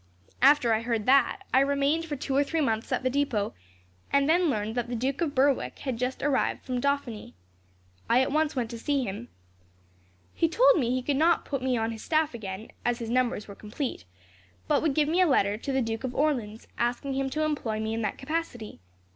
"After I heard that, I remained for two or three months at the depot, and then learned that the Duke of Berwick had just arrived from Dauphiny. I at once went to see him. He told me he could not put me on his staff again, as his numbers were complete, but would give me a letter to the Duke of Orleans, asking him to employ me in that capacity.